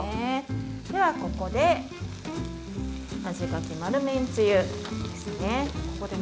では、ここで味が決まるめんつゆですね。